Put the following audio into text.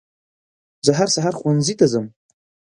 زه هر سهار ښوونځي ته ځم